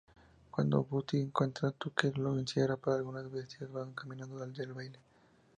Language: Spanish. Cuando Buffy encuentra a Tucker lo encierra, pero algunas bestias van camino del baile.